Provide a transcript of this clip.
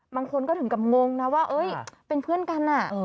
บางคนก็ถึงกับงงนะว่าเอ้ยเป็นเพื่อนกันน่ะเออ